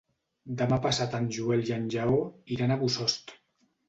Demà passat en Joel i en Lleó iran a Bossòst.